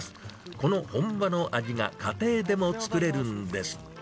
この本場の味が家庭でも作れるんです。